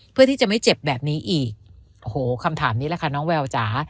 เพื่อที่จะไม่เจ็บแบบนี้อีกโอ้โหคำถามนี้แหละค่ะน้องแววจ๋า